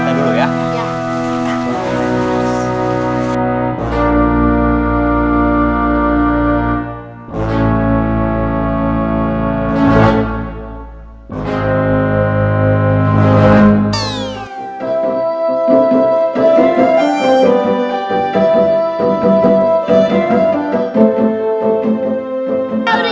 tunggu sebentar ya